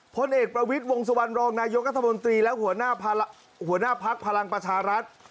พลเอกประวิทย์วงสุวรรณรองนายกัธมนตรีและหัวหน้าภักดิ์พลังประชารัฐ